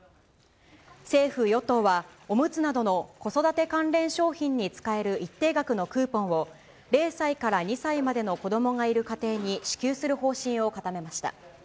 政府・与党は、おむつなどの子育て関連商品に使える一定額のクーポンを、０歳から２歳までの子どもがいる家庭に支給する方針を固めました。